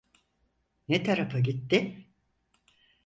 Ne tarafa gitti?